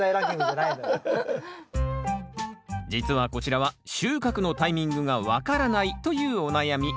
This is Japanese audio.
実はこちらは収穫のタイミングが分からないというお悩み。